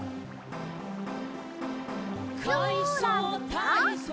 「かいそうたいそう」